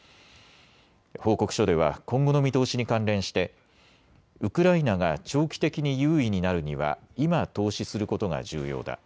報告書では今後の見通しに関連してウクライナが長期的に優位になるには今、投資することが重要だ。